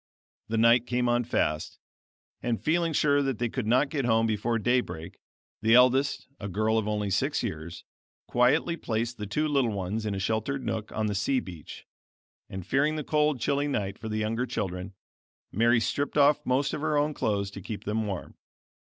The night came on fast; and feeling sure that they could not get home before day break, the eldest (a girl of only six years) quietly placed the two little ones in a sheltered nook on the sea beach; and fearing the cold chilly night for the younger children, Mary stripped off most of her own clothes to keep them warm.